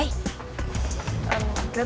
kita tunggu sini aja deh